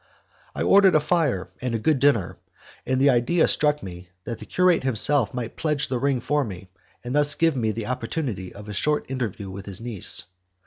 I ordered a fire and a good dinner, and the idea struck me that the curate himself might pledge the ring for me, and thus give me the opportunity of a short interview with his niece.